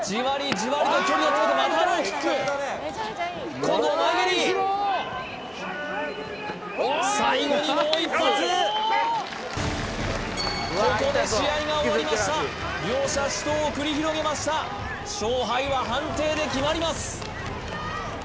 ジワリと距離を詰めてまたローキック今度は前蹴り最後にもう一発ここで試合が終わりました両者死闘を繰り広げました勝敗は判定で決まります